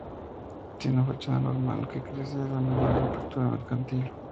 Tiene una fachada formal, que carece de la menor apertura mercantil.